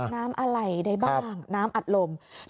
น้ำอะไรได้บ้างน้ำอัดลม